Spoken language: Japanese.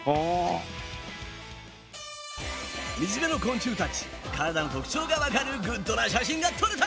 水辺の昆虫たち体の特徴がわかるグッドな写真が撮れた！